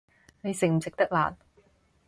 你食唔食得辣